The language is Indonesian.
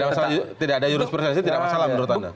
tidak ada jurisprudensi tidak masalah menurut anda